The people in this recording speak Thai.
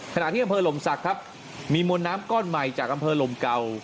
ขณะที่อำเภอหลมศักดิ์ครับมีมวลน้ำก้อนใหม่จากอำเภอลมเก่า